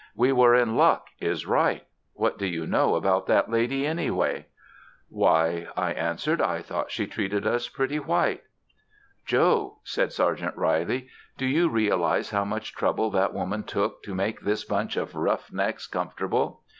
"We were in luck is right. What do you know about that lady, anyway?" "Why," I answered, "I thought she treated us pretty white." "Joe," said Sergeant Reilly, "do you realize how much trouble that woman took to make this bunch of roughnecks comfortable?